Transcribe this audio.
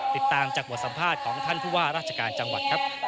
ติดตามจากบทสัมภาษณ์ของท่านผู้ว่าราชการจังหวัดครับ